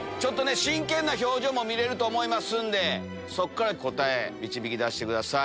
真剣な表情も見れると思いますんでそこから答え導き出してください。